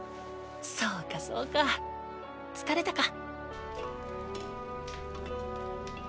そーかそーか疲れたか。